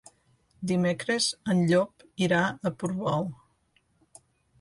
Dimecres en Llop irà a Portbou.